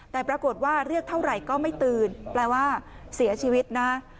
แต่ปรากฏว่าเรียกเท่าไหร่ก็ไม่ตื่นแปลว่าเสียชีวิตนะ